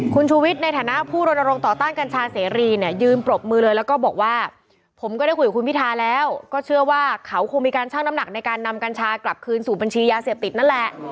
คุณชูวิทย์ในฐานะผู้รณรงค์ต่อต้านกัญชาเสรีเนี่ยยืนปรบมือเลยแล้วก็บอกว่าผมก็ได้คุยกับคุณพิทาแล้วก็เชื่อว่าเขาคงมีการชั่งน้ำหนักในการนำกัญชากลับคืนสู่บัญชียาเสพติดนั่นแหละ